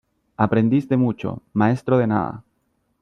Aprendiz de mucho, maestro de nada.